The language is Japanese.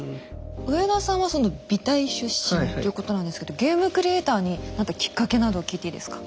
上田さんはその美大出身ということなんですけどゲームクリエイターになったきっかけなど聞いていいですか？